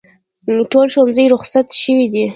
ټول ښوونځي روخصت شوي دي